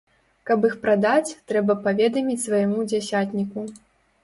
Каб іх прадаць, трэба паведаміць свайму дзясятніку.